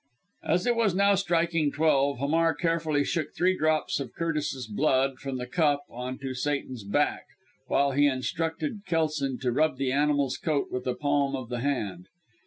As it was now striking twelve, Hamar carefully shook three drops of Curtis's blood from the cup on to Satan's back, while he instructed Kelson to rub the animal's coat with the palm of the hand.